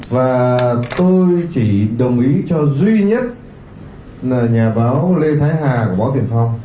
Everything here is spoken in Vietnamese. và tôi chỉ đồng ý cho duy nhất là nhà báo lê thái hà của báo tiền phòng